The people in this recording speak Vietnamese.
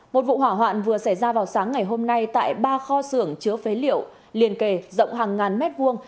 một vụ hỏa hoạn vừa xảy ra vào sáng ngày hôm nay tại ba kho xưởng chứa phế liệu liền kề rộng hàng ngàn mét vuông